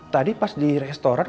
tadi pas di restoran